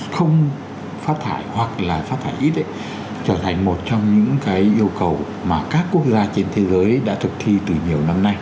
không phát thải hoặc là phát thải ít trở thành một trong những yêu cầu mà các quốc gia trên thế giới đã thực thi từ nhiều năm nay